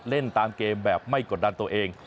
เล่นตามเกมแบบไม่กดดันตัวเอง